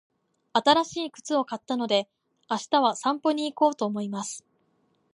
新しい靴を買ったので、明日は散歩に行こうと思います。